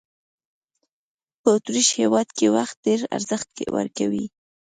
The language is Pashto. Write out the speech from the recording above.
په اوترېش هېواد کې وخت ډېر ارزښت ورکوي.